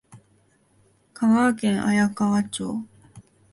香川県綾川町